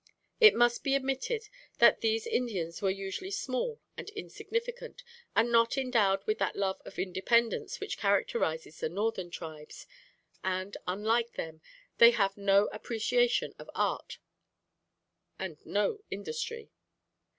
It must be admitted that these Indians were usually small and insignificant, and not endowed with that love of independence which characterizes the northern tribes; and, unlike them, they have no appreciation of art, and no industry.